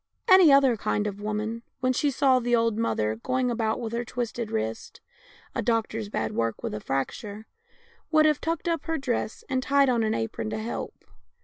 Any other kind of a woman, when she saw the old mother going about with her twisted wrist — a doctor's bad work with a fracture — would have tucked up her dress, and tied on an apron to help.